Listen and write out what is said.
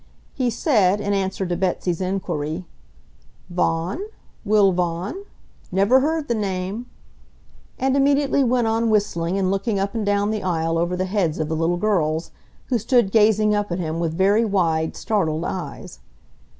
He said, in answer to Betsy's inquiry: "Vaughan? Will Vaughan? Never heard the name," and immediately went on whistling and looking up and down the aisle over the heads of the little girls, who stood gazing up at him with very wide, startled eyes.